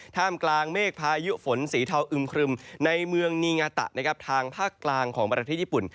ท่ามกลางเมฆพายุฝนสีเทาอึมครึมในเมืองนีงาตะนะครับทางภาคกลางของประเทศญี่ปุ่น